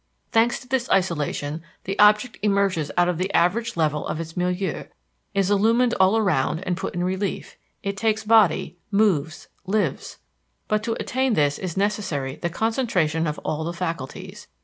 Thanks to this isolation, the object emerges out of the average level of its milieu, is illumined all around and put in relief it takes body, moves, lives. But to attain this is necessary the concentration of all the faculties.